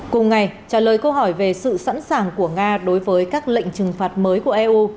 cùng ngày trả lời câu hỏi về sự sẵn sàng của nga đối với các lệnh trừng phạt mới của eu